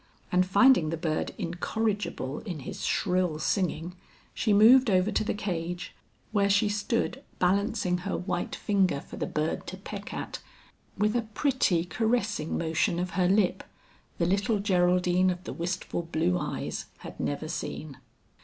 And finding the bird incorrigible in his shrill singing, she moved over to the cage, where she stood balancing her white finger for the bird to peck at, with a pretty caressing motion of her lip, the little Geraldine of the wistful blue eyes, had never seen.